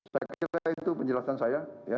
saya kira itu penjelasan saya